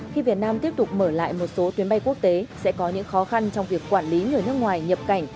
khi việt nam tiếp tục mở lại một số tuyến bay quốc tế sẽ có những khó khăn trong việc quản lý người nước ngoài nhập cảnh